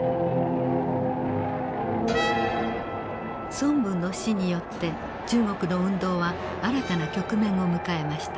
孫文の死によって中国の運動は新たな局面を迎えました。